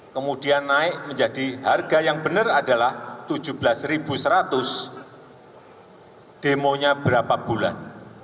kemudian naik menjadi harga yang benar adalah rp tujuh belas seratus demonya berapa bulan